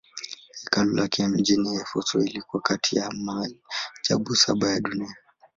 Hekalu lake mjini Efeso lilikuwa kati ya maajabu saba ya dunia.